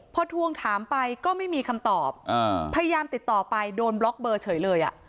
พอทวงถามไปก็ไม่มีคำตอบพยายามติดต่อไปโดนบล็อกเบอร์เฉยเลยอ่ะ